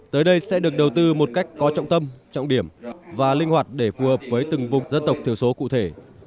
tới đây sẽ được đầu tư một cách có trọng tâm trọng điểm và linh hoạt để phù hợp với từng vùng dân tộc thiểu số cụ thể